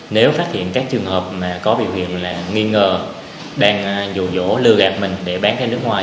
nếu phát hiện các trường hợp có biểu hiện là nghi ngờ đang dù dỗ lừa gạt mình để bán ra nước ngoài